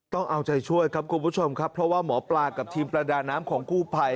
ต้องเอาใจช่วยครับคุณผู้ชมครับเพราะว่าหมอปลากับทีมประดาน้ำของกู้ภัย